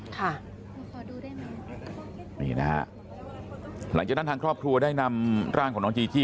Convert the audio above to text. ขอดูได้ไหมนี่นะฮะหลังจากนั้นทางครอบครัวได้นำร่างของน้องจีจี้